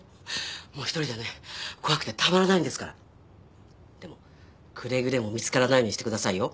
もう１人じゃね怖くてたまらないんですからでもくれぐれも見つからないようにしてくださいよ